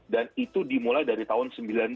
dan itu dimulai dari tahun sembilan puluh tujuh